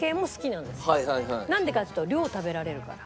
なんでかっていうと量食べられるから。